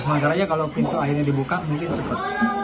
manggarainya kalau pintu akhirnya dibuka mungkin cepet